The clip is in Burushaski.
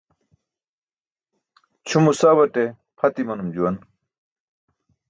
Ćʰumo sawate pʰat imanum juwan.